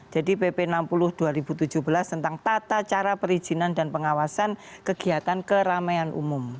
jadi pp enam puluh dua ribu tujuh belas tentang tata cara perizinan dan pengawasan kegiatan keramaian umum